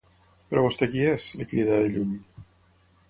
Però vostè qui és? —li crida de lluny—.